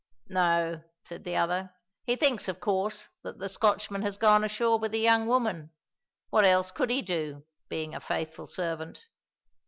"No," said the other; "he thinks, of course, that the Scotchman has gone ashore with the young woman. What else could he do, being a faithful servant?